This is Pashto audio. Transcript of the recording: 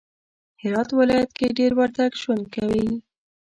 هرات ولایت کی دیر وردگ ژوند کوی